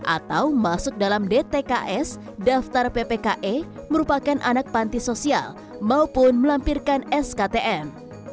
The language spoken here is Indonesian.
atau masuk dalam dtks daftar ppke merupakan anak panti sosial maupun melampirkan sktm